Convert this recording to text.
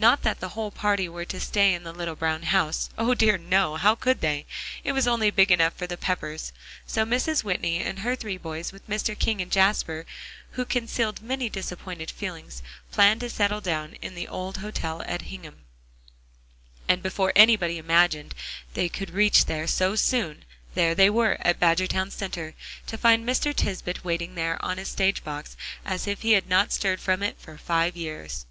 Not that the whole party were to stay in the little brown house. O dear, no! how could they? It was only big enough for the Peppers. So Mrs. Whitney and her three boys, with Mr. King, and Jasper, who concealed many disappointed feelings, planned to settle down in the old hotel at Hingham. And before anybody imagined they could reach there so soon, there they were at Badgertown Center, to find Mr. Tisbett waiting there on his stage box as if he had not stirred from it for five years.